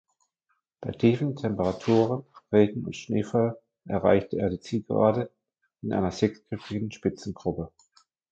Bei tiefen Temperaturen, Regen und Schneefall erreichte er die Zielgerade in einer sechsköpfigen Spitzengruppe.